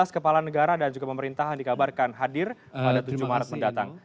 tujuh belas kepala negara dan juga pemerintahan dikabarkan hadir pada tujuh maret mendatang